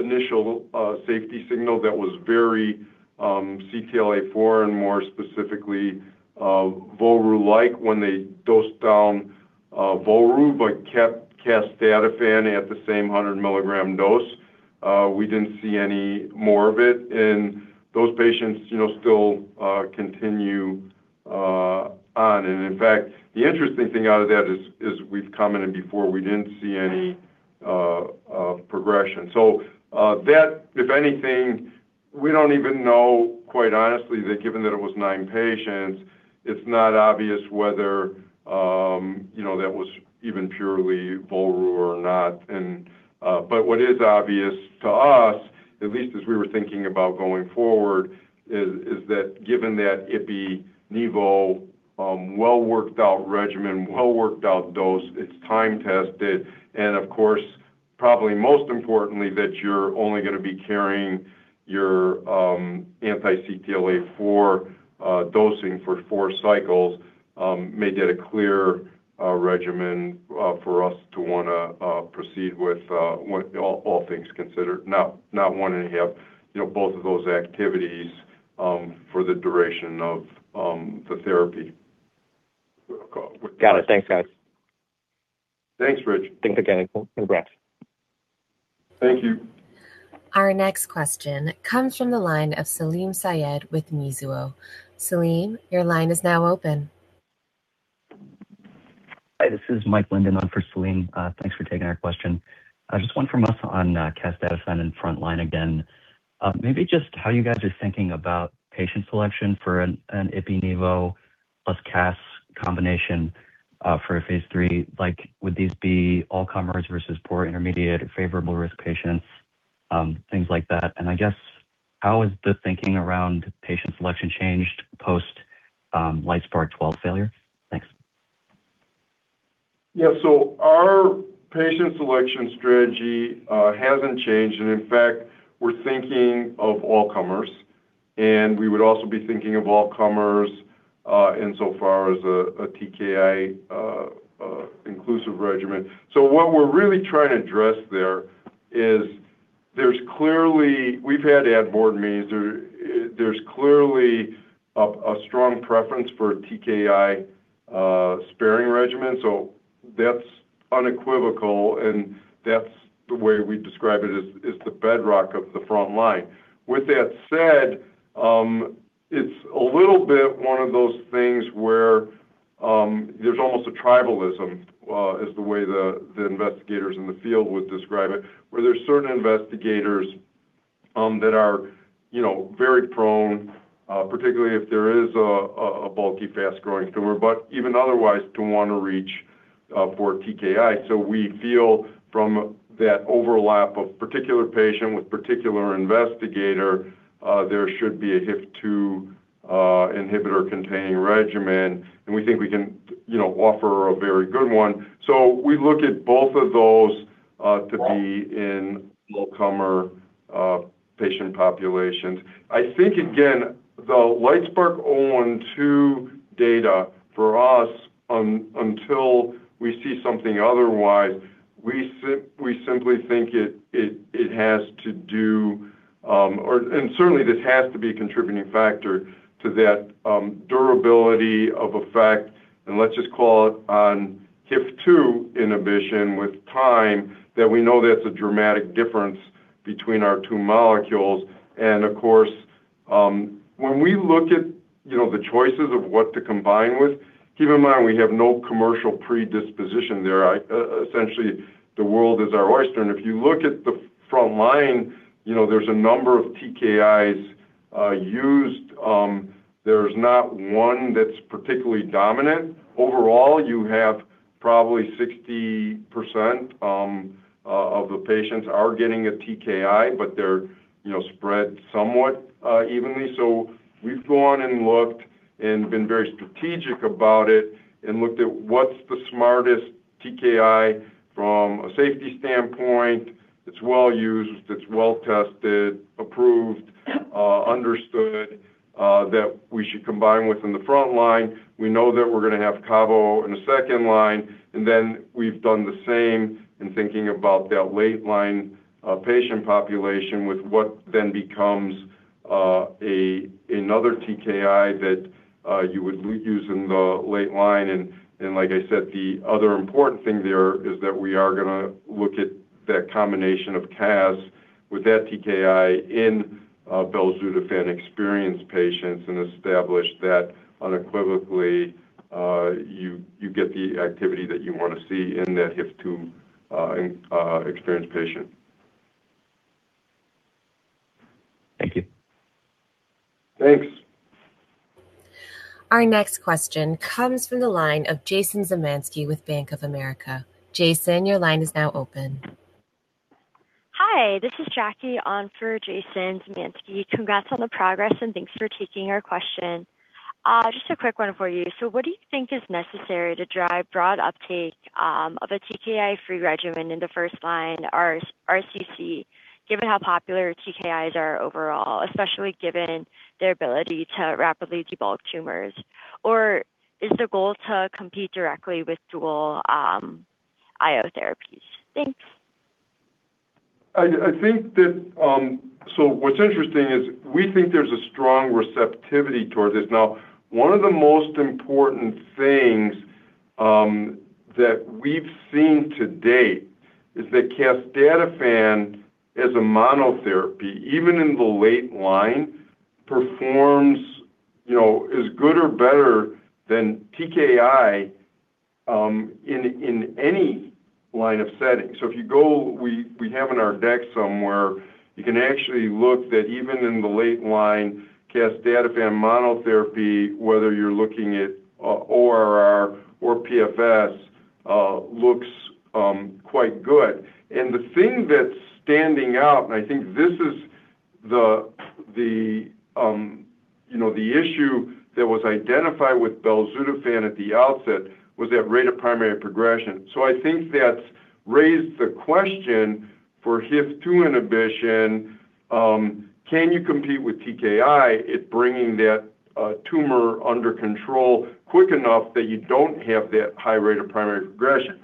initial safety signal that was very CTLA-4 and more specifically, Volru-like when they dosed down Volru but kept casdatifan at the same 100-mg dose. We didn't see any more of it. Those patients, you know, still continue on. In fact, the interesting thing out of that is we've commented before we didn't see any progression. That, if anything. We don't even know, quite honestly, that given that it was nine patients, it's not obvious whether, you know, that was even purely Volru or not. What is obvious to us, at least as we were thinking about going forward, is that given that Ipi/Nivo, well-worked-out regimen, well-worked-out dose, it's time-tested, and of course, probably most importantly, that you're only gonna be carrying your anti-CTLA-4 dosing for four cycles, made that a clear regimen for us to wanna proceed with, all things considered. Not wanting to have, you know, both of those activities, for the duration of the therapy. Got it. Thanks, guys. Thanks, Rich. Thanks again. Congrats. Thank you. Our next question comes from the line of Salim Syed with Mizuho. Salim, your line is now open. Hi, this is Mike Linden on for Salim Syed. Thanks for taking our question. Just one from us on casdatifan and frontline again. Maybe just how you guys are thinking about patient selection for an Ipi/Nivo + CAS combination for a Phase III. Like, would these be all comers versus poor, intermediate, favorable risk patients, things like that? I guess how has the thinking around patient selection changed post LITESPARK-012 failure? Thanks. Yeah. Our patient selection strategy hasn't changed. In fact, we're thinking of all comers, and we would also be thinking of all comers insofar as a TKI inclusive regimen. What we're really trying to address there is there's clearly we've had ad board meetings. There's clearly a strong preference for TKI sparing regimen. That's unequivocal, and that's the way we describe it is the bedrock of the front line. With that said, it's a little bit one of those things where there's almost a tribalism is the way the investigators in the field would describe it, where there's certain investigators that are, you know, very prone, particularly if there is a bulky fast-growing tumor, but even otherwise to wanna reach for TKI. We feel from that overlap of particular patient with particular investigator, there should be a HIF-2 inhibitor-containing regimen, and we think we can, you know, offer a very good one. We look at both of those to be in all-comer patient populations. I think again, the LITESPARK-012 data for us until we see something otherwise, we simply think it has to do, and certainly this has to be a contributing factor to that durability of effect, and let's just call it on HIF-2 inhibition with time, that we know that's a dramatic difference between our two molecules. Of course, when we look at, you know, the choices of what to combine with, keep in mind we have no commercial predisposition there. Essentially, the world is our oyster. If you look at the frontline, you know, there's a number of TKIs used. There's not one that's particularly dominant. Overall, you have probably 60% of the patients are getting a TKI, but they're, you know, spread somewhat evenly. We've gone and looked and been very strategic about it and looked at what's the smartest TKI from a safety standpoint that's well used, that's well tested, approved, understood, that we should combine within the front line. We know that we're gonna have cabo in the second line. We've done the same in thinking about that late line patient population with what then becomes another TKI that you would use in the late line. Like I said, the other important thing there is that we are gonna look at that combination of CAS with that TKI in belzutifan-experienced patients and establish that unequivocally, you get the activity that you wanna see in that HIF-2 in experienced patient. Thank you. Thanks. Our next question comes from the line of Jason Zemansky with Bank of America. Jason, your line is now open. Hi. This is Jackie on for Jason Zemansky. Congrats on the progress, and thanks for taking our question. Just a quick one for you. What do you think is necessary to drive broad uptake of a TKI-free regimen in the first line RCC, given how popular TKIs are overall, especially given their ability to rapidly debulk tumors? Is the goal to compete directly with dual IO therapies? Thanks. I think that what's interesting is we think there's a strong receptivity towards this. One of the most important things that we've seen to date is that casdatifan as a monotherapy, even in the late line, performs, you know, as good or better than TKI in any line of setting. If you go, we have in our deck somewhere, you can actually look that even in the late line casdatifan monotherapy, whether you're looking at ORR or PFS, looks quite good. The thing that's standing out, and I think this is the, you know, the issue that was identified with belzutifan at the outset was that rate of primary progression. I think that's raised the question for HIF-2 inhibition, can you compete with TKI at bringing that tumor under control quick enough that you don't have that high rate of primary progression?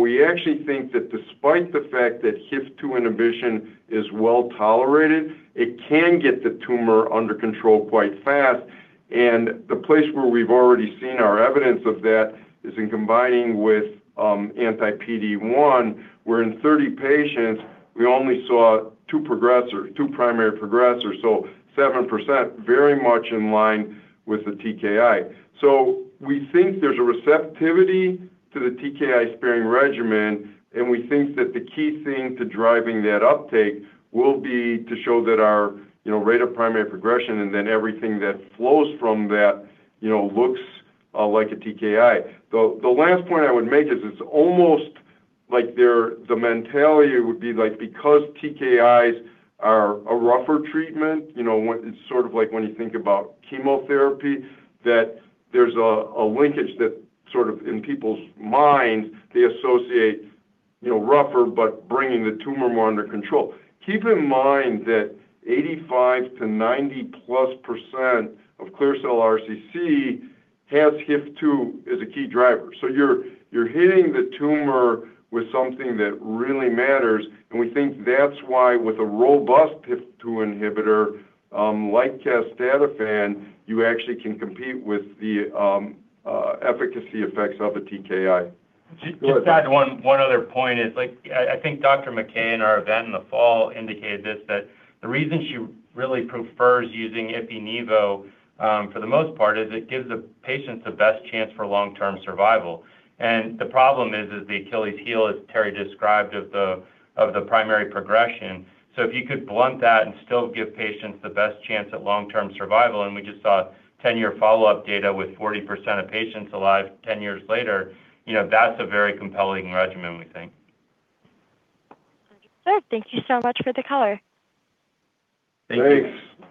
We actually think that despite the fact that HIF-2 inhibition is well-tolerated, it can get the tumor under control quite fast. The place where we've already seen our evidence of that is in combining with anti-PD-1, where in 30 patients we only saw two progressors, two primary progressors, so 7% very much in line with the TKI. We think there's a receptivity to the TKI-sparing regimen, and we think that the key thing to driving that uptake will be to show that our, you know, rate of primary progression and then everything that flows from that, you know, looks like a TKI. The last point I would make is it's almost like the mentality would be like because TKIs are a rougher treatment, you know, it's sort of like when you think about chemotherapy, that there's a linkage that sort of in people's minds they associate, you know, rougher but bringing the tumor more under control. Keep in mind that 85%-90%+ of clear cell RCC has HIF-2 as a key driver. You're hitting the tumor with something that really matters, and we think that's why with a robust HIF-2 inhibitor, like casdatifan, you actually can compete with the efficacy effects of a TKI. Just to add one other point is, like, I think Dr. McKay in our event in the fall indicated this, that the reason she really prefers using Ipi/Nivo for the most part is it gives the patients the best chance for long-term survival. The problem is the Achilles heel, as Terry described, of the primary progression. If you could blunt that and still give patients the best chance at long-term survival, and we just saw 10-year follow-up data with 40% of patients alive 10 years later, you know, that's a very compelling regimen, we think. Okay. Thank you so much for the color. Thank you. Thanks.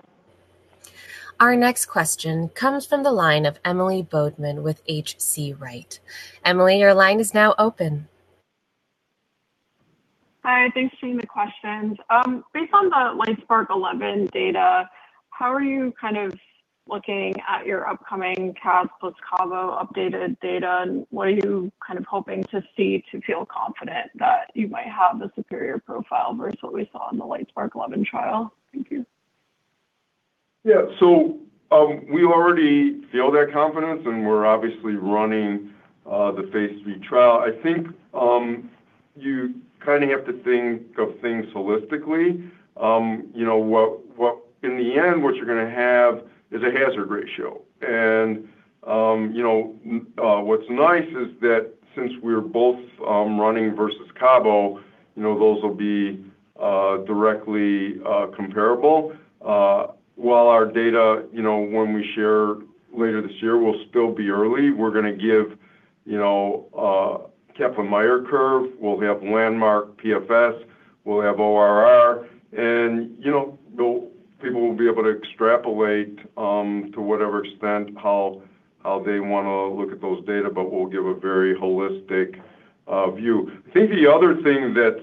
Our next question comes from the line of Emily Bodnar with H.C. Wainwright. Emily, your line is now open. Hi, thanks for taking the questions. Based on the LITESPARK-011 data, how are you kind of looking at your upcoming CAS + cabo updated data? What are you kind of hoping to see to feel confident that you might have a superior profile versus what we saw in the LITESPARK-011 trial? Thank you. We already feel that confidence, and we're obviously running the Phase III trial. I think you kind of have to think of things holistically. You know, in the end, what you're gonna have is a hazard ratio. You know, what's nice is that since we're both running versus cabo, you know, those will be directly comparable. While our data, you know, when we share later this year will still be early, we're gonna give, you know, Kaplan-Meier curve, we'll have landmark PFS, we'll have ORR. You know, people will be able to extrapolate to whatever extent how they wanna look at those data, but we'll give a very holistic view. I think the other thing that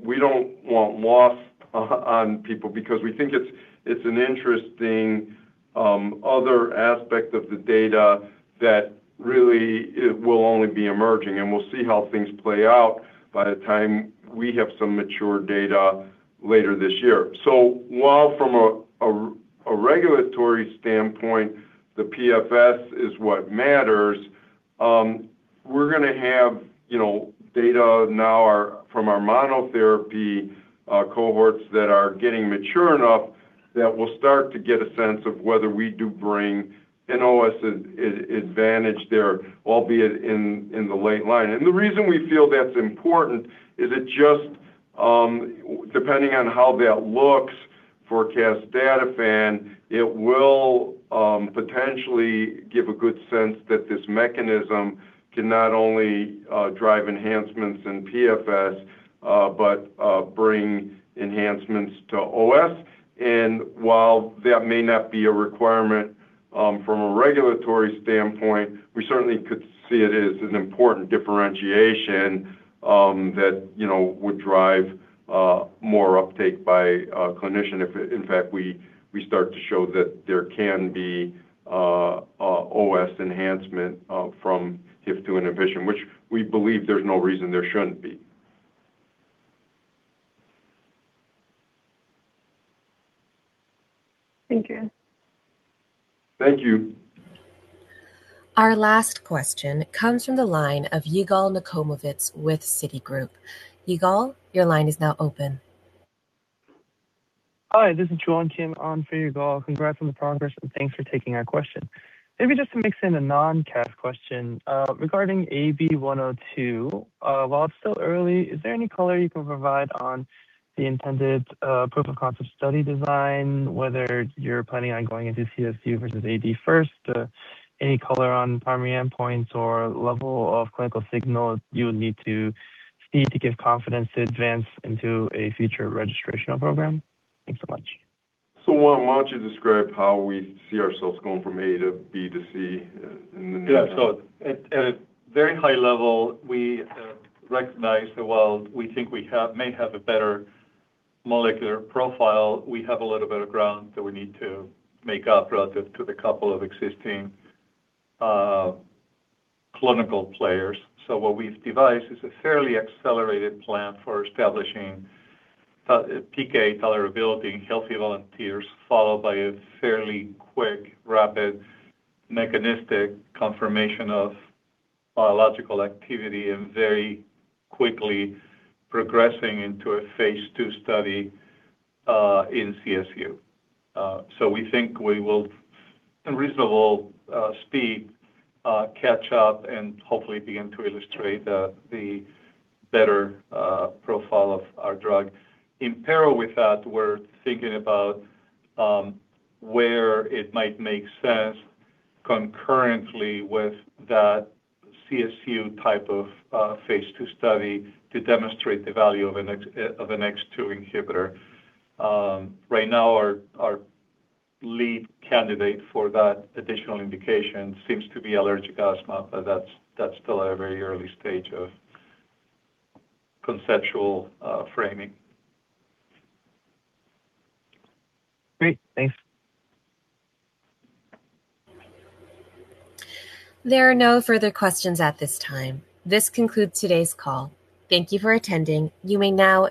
we don't want lost on people because we think it's an interesting other aspect of the data that really, it will only be emerging, and we'll see how things play out by the time we have some mature data later this year. While from a regulatory standpoint, the PFS is what matters, we're gonna have, you know, data now from our monotherapy cohorts that are getting mature enough that we'll start to get a sense of whether we do bring OS advantage there, albeit in the late line. The reason we feel that's important is it just, depending on how that looks for casdatifan, it will potentially give a good sense that this mechanism can not only drive enhancements in PFS, but bring enhancements to OS. While that may not be a requirement, from a regulatory standpoint, we certainly could see it as an important differentiation, that, you know, would drive more uptake by a clinician if, in fact, we start to show that there can be a OS enhancement from HIF-2 inhibition, which we believe there's no reason there shouldn't be. Thank you. Thank you. Our last question comes from the line of Yigal Nochomovitz with Citigroup. Yigal, your line is now open. Hi, this is John Kim on for Yigal. Congrats on the progress. Thanks for taking our question. Maybe just to mix in a non-cash question regarding AB102, while it's still early, is there any color you can provide on the intended proof of concept study design, whether you're planning on going into CSU versus AD first? Any color on primary endpoints or level of clinical signal you would need to see to give confidence to advance into a future registrational program? Thanks so much. Juan, why don't you describe how we see ourselves going from A to B to C in the near term? At a very high level, we recognize that while we think we may have a better molecular profile, we have a little bit of ground that we need to make up relative to the couple of existing clinical players. What we've devised is a fairly accelerated plan for establishing PK tolerability in healthy volunteers, followed by a fairly quick, rapid mechanistic confirmation of biological activity and very quickly progressing into a Phase II study in CSU. We think we will in reasonable speed catch up and hopefully begin to illustrate the better profile of our drug. In parallel with that, we're thinking about where it might make sense concurrently with that CSU type of Phase II study to demonstrate the value of an X2 inhibitor. Right now our lead candidate for that additional indication seems to be allergic asthma, but that's still at a very early stage of conceptual framing. Great. Thanks. There are no further questions at this time. This concludes today's call. Thank you for attending. You may now disconnect.